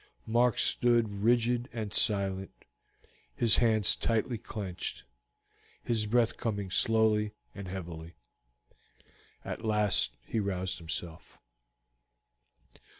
Mark stood rigid and silent, his hands tightly clenched, his breath coming slowly and heavily. At last he roused himself.